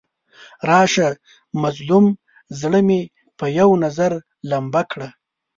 راشه مظلوم زړه مې په یو نظر لمبه کړه.